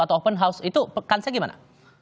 atau open house itu pekansnya gimana